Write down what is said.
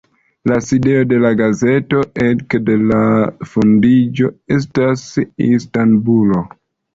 La sidejo de la gazeto ekde la fondiĝo estas Istanbulo.